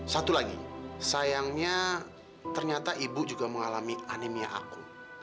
satu lagi sayangnya ternyata ibu juga mengalami anemia au